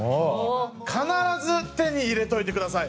必ず手に入れといてください。